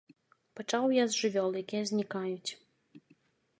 Пачаў я з жывёл, якія знікаюць.